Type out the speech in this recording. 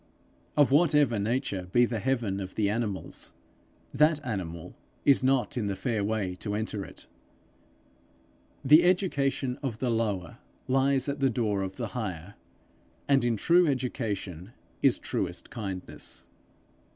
Of whatever nature be the heaven of the animals, that animal is not in the fair way to enter it. The education of the lower lies at the door of the higher, and in true education is truest kindness.